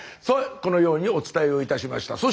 このようにお伝えをいたしました。